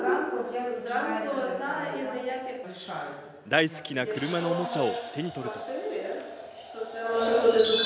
大好きな車のおもちゃを手に取ると。